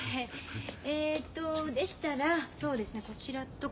えっとでしたらそうですねこちらとか。